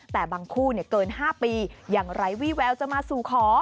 แต่บางคู่เกิน๕ปีอย่างไร้วี่แววจะมาสู่ขอ